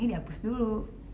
ini dihapus dulu